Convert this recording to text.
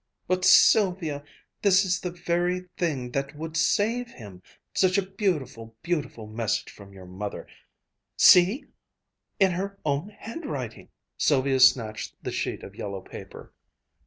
"But, Sylvia, this is the very thing that would save him such a beautiful, beautiful message from your mother, see! In her own handwriting!" Sylvia snatched the sheet of yellow paper.